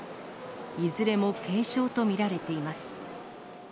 いずれも軽症と見られています。